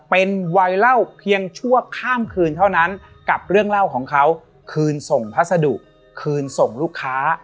เป็นวัยเล่าเพียงชั่วข้ามคืนเท่านั้นกับเรื่องเล่าของเขาคืนส่งพัสดุคืนส่งลูกค้า